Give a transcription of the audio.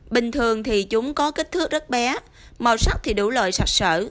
bình thường thì chúng có kích thước rất bé màu sắc thì đủ lợi sạch sở